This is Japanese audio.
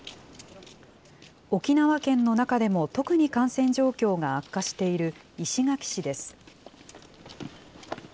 沖縄県の中でも特に感染状況が悪化している石垣市です。